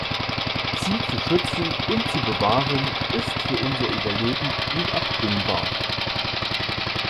Sie zu schützen und zu bewahren ist für unser Überleben unabdingbar.